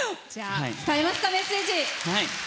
伝えますか、メッセージ。